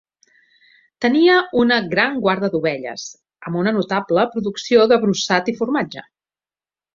Tenia una gran guarda d'ovelles, amb una notable producció de brossat i formatge.